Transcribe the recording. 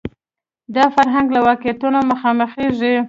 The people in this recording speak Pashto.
دا فرهنګ له واقعیتونو مخامخېږي